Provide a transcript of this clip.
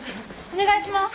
お願いします。